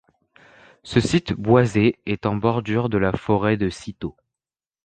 Ce site boisé est en bordure de la forêt de Cîteaux.